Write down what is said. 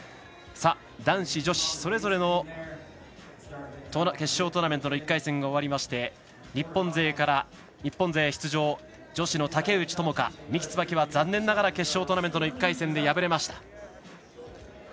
男子、女子それぞれの決勝トーナメントの１回戦が終わりまして日本勢の出場女子の竹内智香、三木つばきは残念ながら決勝トーナメントの１回戦で敗れました。